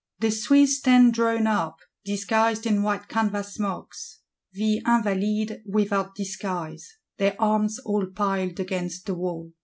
The Swiss stand drawn up; disguised in white canvas smocks; the Invalides without disguise; their arms all piled against the wall.